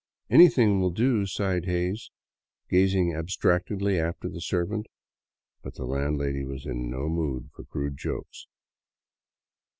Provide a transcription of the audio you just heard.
" Anything will do," sighed Hays, gazing abstractedly after the servant. But the landlady was in no mood for crude jokes.